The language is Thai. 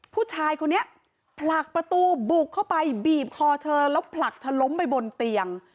ผู้ชายคนนี้ผลักประตูบุกเข้าไปบีบคอเธอแล้วผลักเธอล้มไปบนเตียง